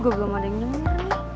gue juga belum ada yang nyamper nih